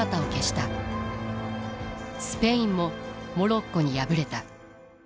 スペインもモロッコに敗れた。